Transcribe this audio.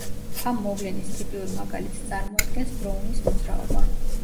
ამ მოვლენის ტიპიურ მაგალითს წარმოადგენს ბროუნის მოძრაობა.